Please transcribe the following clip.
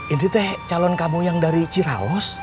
ini teh calon kamu yang dari ciraos